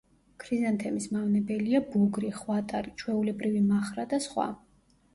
ქრიზანთემის მავნებელია ბუგრი, ხვატარი, ჩვეულებრივი მახრა და სხვა.